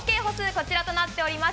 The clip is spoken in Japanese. こちらとなっております。